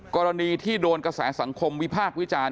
กรณีที่โดนกระแสสังคมวิพากษ์วิจารณ์